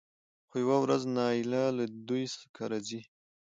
خو يوه ورځ نايله له دوی کره ځي